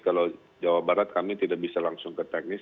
kalau jawa barat kami tidak bisa langsung ke teknis